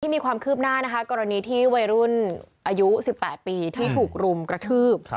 มีความคืบหน้านะคะกรณีที่วัยรุ่นอายุ๑๘ปีที่ถูกรุมกระทืบ